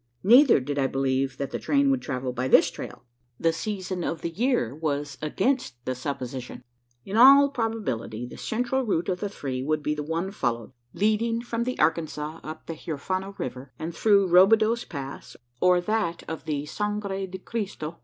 Neither did I believe that the train would travel by this trail. The season of the year was against the supposition. In all probability, the central route of the three would be the one followed leading from the Arkansas up the Huerfano river, and through "Robideau's Pass," or that of the "Sangre de Cristo."